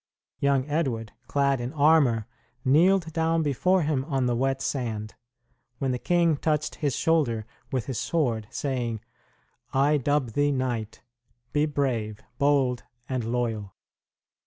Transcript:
Young Edward, clad in armor, kneeled down before him on the wet sand, when the king touched his shoulder with his sword, saying: "I dub thee knight. Be brave, bold, and loyal!"